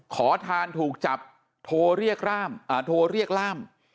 ขอทานถูกจับโทรเรียกล่าม